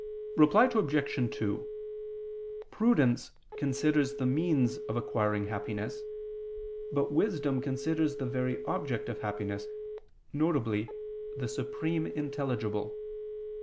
Reply Obj. 2: Prudence considers the means of acquiring happiness, but wisdom considers the very object of happiness, viz. the Supreme Intelligible.